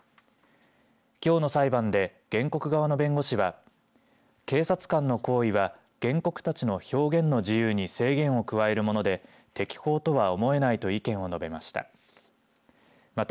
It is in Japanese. きょうの裁判で原告側の弁護士は警察官の行為は原告たちの表現の自由に制限を加えるもので適法とは思えないと意見を述べました。